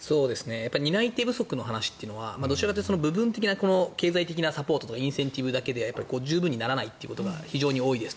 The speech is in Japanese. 担い手不足の話というのはどちらかというと部分的な経済的なサポートインセンティブだけでは十分にならないということが非常に多いと。